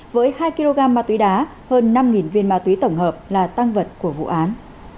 với hai kg ma túy đá hơn năm viên ma túy tổng hợp là tăng vật của vụ án